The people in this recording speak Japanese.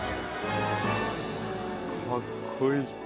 かっこいい。